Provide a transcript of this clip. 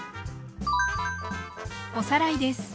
おさらいです。